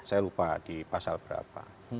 saya lupa di pasal berapa